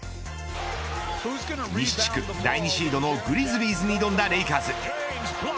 西地区第２シードのグリズリーズに挑んだレイカーズ。